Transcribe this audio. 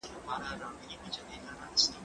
زه به اوږده موده قلم استعمالوم کړی وم!.